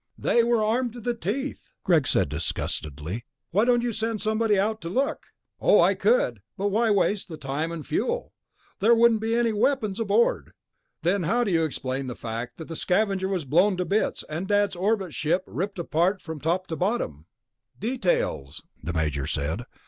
"They were armed to the teeth," Greg said disgustedly. "Why don't you send somebody out to look?" "Oh, I could, but why waste the time and fuel? There wouldn't be any weapons aboard." "Then how do they explain the fact that the Scavenger was blown to bits and Dad's orbit ship ripped apart from top to bottom?" "Details," the Major said.